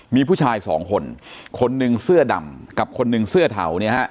มีผู้ชาย๒คนคนหนึ่งเสื้อดำกับคนหนึ่งเสื้อเถา